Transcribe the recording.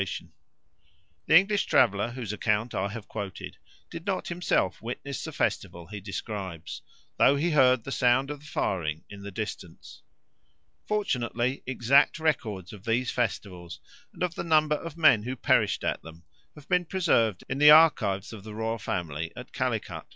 The English traveller, whose account I have quoted, did not himself witness the festival he describes, though he heard the sound of the firing in the distance. Fortunately, exact records of these festivals and of the number of men who perished at them have been preserved in the archives of the royal family at Calicut.